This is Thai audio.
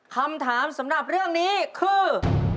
คำถามสำหรับเรื่องนี้คือ